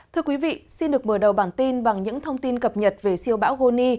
thưa quý vị xin được mở đầu bản tin bằng những thông tin cập nhật về siêu bão goni